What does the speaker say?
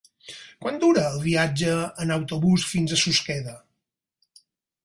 Quant dura el viatge en autobús fins a Susqueda?